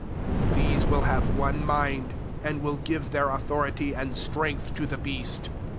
13 These vfiil have one mind, and wiii give their authority and strength to the beast.